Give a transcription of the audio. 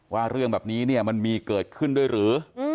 ว่าเรื่องแบบนี้เนี่ยมันมีเกิดขึ้นด้วยหรือ